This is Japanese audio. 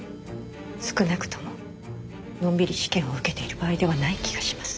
少なくとものんびり試験を受けている場合ではない気がします。